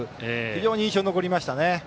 非常に印象に残りました。